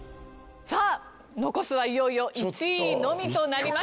さあ残すはいよいよ１位のみとなりました。